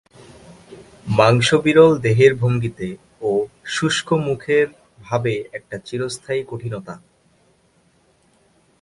মাংসবিরল দেহের ভঙ্গিতে ও শুষ্ক মুখের ভাবে একটা চিরস্থায়ী কঠিনতা।